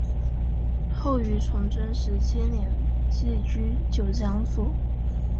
后于崇祯十七年寄居九江府。